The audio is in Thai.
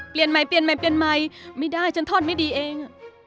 เปลี่ยนใหม่เปลี่ยนใหม่เปลี่ยนใหม่ไม่ได้ฉันทอดไม่ดีเอง